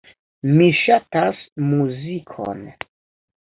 Mi ŝatas muzikon.